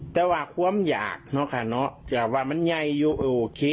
แต่ว่าความอยากน่าว่ามันใหญ่อยู่โอเค